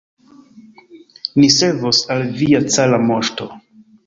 Ni servos al via cara moŝto!